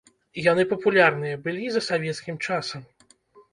Яны папулярныя былі за савецкім часам.